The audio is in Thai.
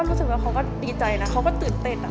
แล้วครบที่นี้มีบรรยากาศแนะนำถึงอะไรคะ